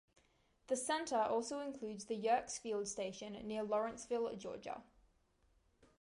The center also includes the Yerkes Field Station near Lawrenceville, Georgia.